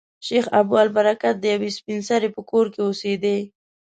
شیخ ابوالبرکات د یوې سپین سري په کور کې اوسېدی.